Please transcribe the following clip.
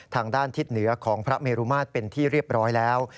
ทางด้านทิศเหนือของพระเมรุมาตรเป็นที่เรียบร้อยแล้ว